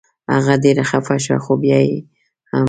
هغه ډېره خفه شوه خو بیا یې هم.